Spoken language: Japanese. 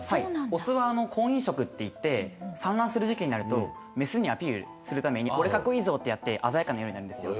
オスは婚姻色っていって産卵する時期になるとメスにアピールするために俺格好いいぞ！ってやって鮮やかな色になるんですよ。